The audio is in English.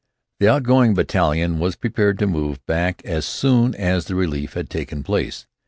The outgoing battalion was prepared to move back as soon as the "relief" had taken place.